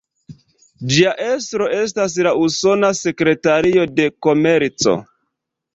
Ĝia estro estas la Usona Sekretario de Komerco.